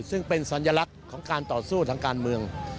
ซึ่งเป็นสัญลักษณ์ของการต่อสู้ทางการเมือง